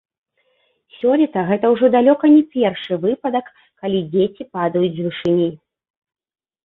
Сёлета гэта ўжо далёка не першы выпадак, калі дзеці падаюць з вышыні.